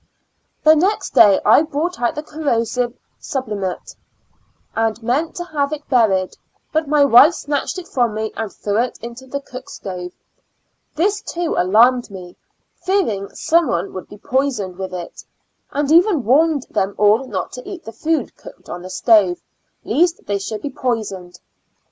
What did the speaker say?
The next day I brought out the corrosive sublimate and meant to have buried it, but my wife snatched it from me and threw it into the cook stove; this, too, alarmed me, fearing some one would be poisoned with it, and even warned them all not to eat the food cooked on the stove, lest they should be poisoned.